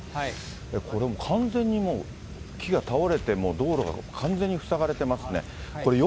これ完全にもう、木が倒れて、もう道路が完全に塞がれてますね。